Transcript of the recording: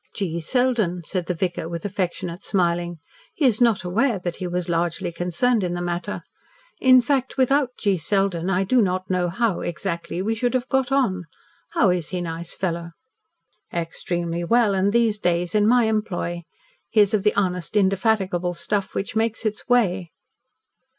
"G. Selden," said the vicar, with affectionate smiling. "He is not aware that he was largely concerned in the matter. In fact, without G. Selden, I do not know how, exactly, we should have got on. How is he, nice fellow?" "Extremely well, and in these days in my employ. He is of the honest, indefatigable stuff which makes its way."